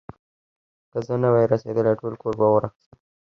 که زه نه وای رسېدلی، ټول کور به اور اخيستی و.